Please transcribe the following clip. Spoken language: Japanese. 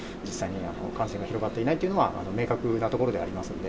実際には感染が広がっていないというのは、明確なところでありま